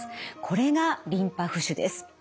これがリンパ浮腫です。